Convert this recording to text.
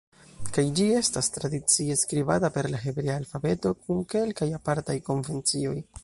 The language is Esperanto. Kaj ĝi estas tradicie skribata per la hebrea alfabeto, kun kelkaj apartaj konvencioj.